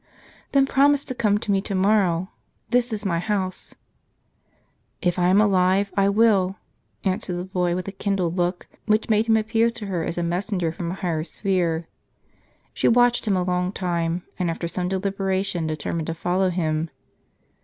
" Then promise to come to me to morrow ; this is my house." " If I am alive, I will," answered the boy with a kindled look, which made him appear to her as a messenger from a higher sphere. She watched him a long time, and after some deliberation determined to follow him.